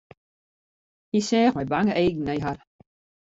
Hy seach mei bange eagen nei har.